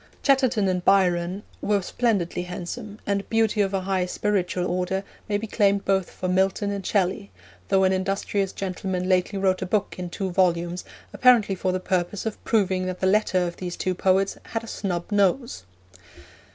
Chatterton and Byron were splendidly handsome, and beauty of a high spiritual order may be claimed both for Milton and Shelley, though an industrious gentleman lately wrote a book in two volumes apparently for the purpose of proving that the latter of these two poets had a snub nose.